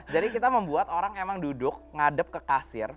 kita membuat orang emang duduk ngadep ke kasir